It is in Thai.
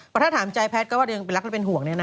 แต่ถ้าถามใจแพทย์ก็ว่าเรายังรักแล้วเป็นห่วง